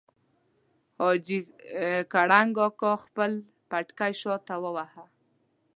حاجي کړنګ اکا خپل پټکی شاته وواهه.